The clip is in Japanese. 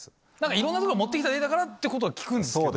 いろんなとこから持って来た絵だってことは聞くんですけど。